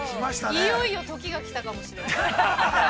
◆いよいよときが来たかもしれない。